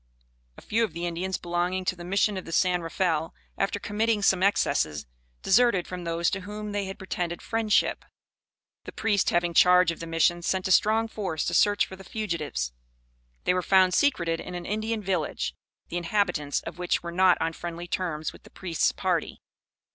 A few of the Indians belonging to the Mission of the San Rafael, after committing some excesses, deserted from those to whom they had pretended friendship. The priest having charge of the Mission sent a strong force to search for the fugitives. They were found secreted in an Indian village, the inhabitants of which were not on friendly terms with the priest's party.